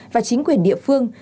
và chính quyền địa phương